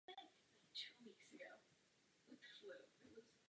Vedle mladších aktivních ročníků.